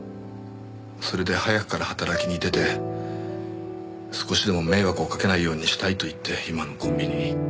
それで早くから働きに出て少しでも迷惑をかけないようにしたいといって今のコンビニに。